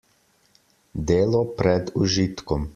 Delo pred užitkom.